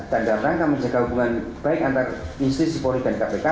dan dalam rangka menjaga hubungan baik antara institusi polri dan kpk